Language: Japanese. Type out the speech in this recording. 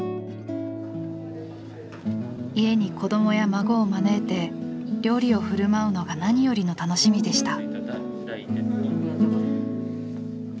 家に子どもや孫を招いて料理をふるまうのが何よりの楽しみでした。